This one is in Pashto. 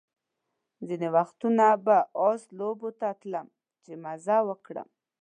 ځینې وختونه به آس لوبو ته تلم چې مزه وکړم.